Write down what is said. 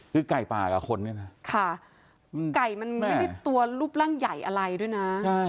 คือไก่ป่ากับคนเนี่ยนะค่ะไก่มันไม่ได้ตัวรูปร่างใหญ่อะไรด้วยนะ